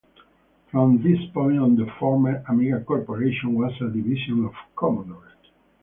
From this point on the former Amiga Corporation was a division of Commodore.